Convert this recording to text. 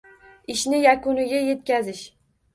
Ishni yakuniga yetkazish.